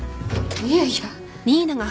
いやいや。